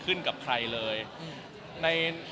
คือแฟนคลับเขามีเด็กเยอะด้วย